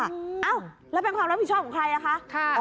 อ้าวแล้วเป็นความรับผิดชอบของใครอ่ะคะ